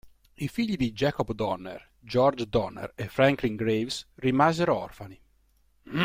I figli di Jacob Donner, George Donner e Franklin Graves rimasero orfani.